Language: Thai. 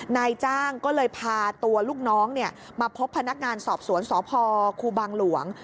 นายจ้างก็เลยพาตัวลูกน้องมาพบพนักงานสอบสวนสพครูบางหลวง